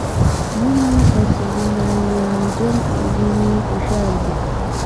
ځینې فصلونه یې غمجن او ځینې خوشاله دي.